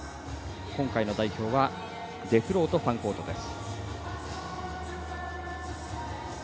今回の代表はデフロート、ファンコートです。